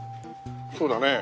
そうだね。